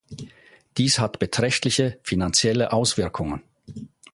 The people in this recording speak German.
Dies hat beträchtliche finanzielle Auswirkungen.